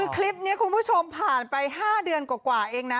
คือคลิปนี้คุณผู้ชมผ่านไป๕เดือนกว่าเองนะ